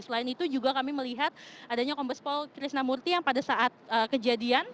selain itu juga kami melihat adanya kompes pol krisna murty yang pada saat kejadian